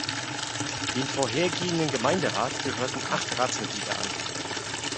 Dem vorhergehende Gemeinderat gehörten acht Ratsmitglieder an.